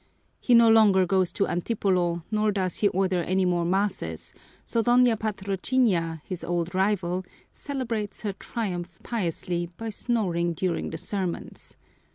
He no longer goes to Antipolo nor does he order any more masses, so Doña Patrocinia, his old rival, celebrates her triumph piously by snoring during the sermons.